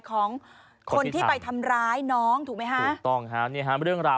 ของคนที่ไปทำร้ายน้องถูกไหมฮะ